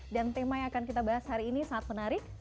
dan tema yang akan kita bahas hari ini sangat menarik